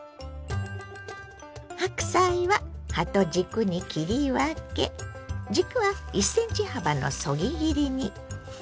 白菜は葉と軸に切り分け軸は１ｃｍ幅のそぎ切りに。